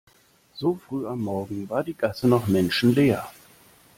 So früh am Morgen war die Gasse noch menschenleer.